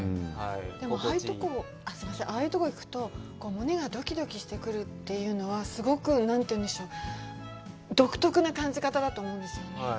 でもああいうところ行くと、胸がどきどきしてくるというのは、すごく、何というんでしょう、独特な感じ方だと思うんですよね。